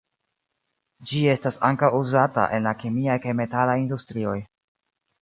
Ĝi estas ankaŭ uzata en la kemiaj kaj metalaj industrioj.